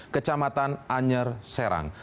kecamatan anyer serang